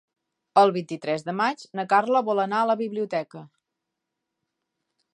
El vint-i-tres de maig na Carla vol anar a la biblioteca.